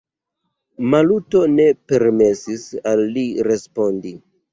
Maluto ne permesis al li respondi.